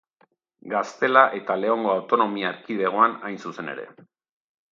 Gaztela eta Leongo autonomia-erkidegoan hain zuzen ere.